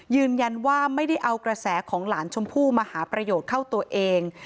ยืนยันว่าไม่ได้เอากระแสของหลานชมพู่มาหาประโยชน์เข้าตัวเอง